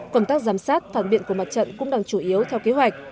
công tác giám sát phản biện của mặt trận cũng đang chủ yếu theo kế hoạch